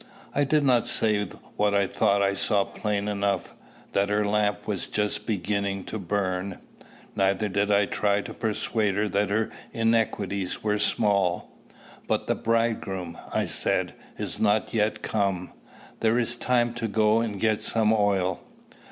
I did not say what I thought I saw plain enough, that her lamp was just beginning to burn. Neither did I try to persuade her that her iniquities were small. "But the Bridegroom," I said, "is not yet come. There is time to go and get some oil."